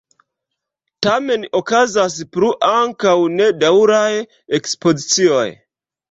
Tamen okazas plu ankaŭ nedaŭraj ekspozicioj.